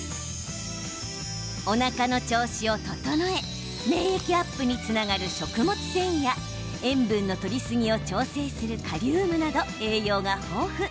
おなかの調子を整え免疫アップにつながる食物繊維や塩分のとりすぎを調整するカリウムなど栄養が豊富。